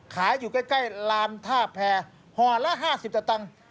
ขายอยู่ใกล้ล้านท่าแพร่ห่อละ๕๐ตะตังค์